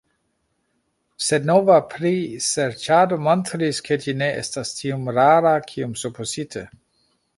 Sed nova priserĉado montris, ke ĝi ne estas tiom rara kiom supozite.